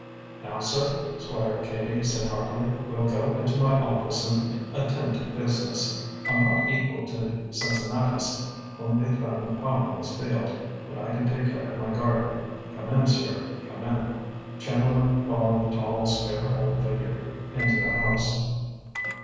"Now, sir," Squire Cady said heartily, "we'll go into my office and attend to business. I'm not equal to Cincinnatus, whom they found plowing his field, but I can take care of my garden. Come in, sir, come in." Chamberlain followed the tall spare old figure into the house.